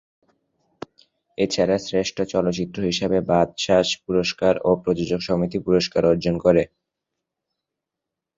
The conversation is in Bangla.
এছাড়া শ্রেষ্ঠ চলচ্চিত্র হিসেবে বাচসাস পুরস্কার ও প্রযোজক সমিতি পুরস্কার অর্জন করে।